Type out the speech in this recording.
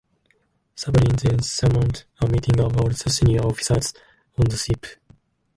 Sablin then summoned a meeting of all the senior officers on the ship.